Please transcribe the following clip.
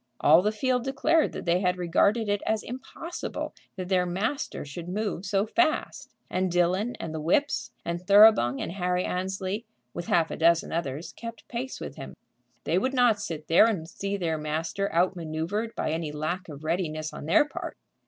All the field declared that they had regarded it as impossible that their master should move so fast. And Dillon, and the whips, and Thoroughbung, and Harry Annesley, with half a dozen others, kept pace with him. They would not sit there and see their master outmanoeuvred by any lack of readiness on their part.